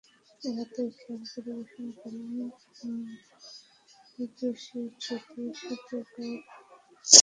রাতে খেয়াল পরিবেশন করেন বিদুষী শ্রুতি সাদেলিকর, মৃদঙ্গ বাজান গুরু কড়াইকুডি মানি।